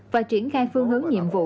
và triển khai phương hướng nhiệm vụ